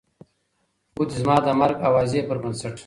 خو دې زما د مرګ د اوازې پر بنسټ